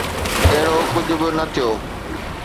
اهڙو ڪجهه به نه ٿيو.